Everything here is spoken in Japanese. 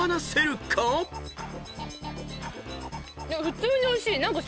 普通においしい。何か。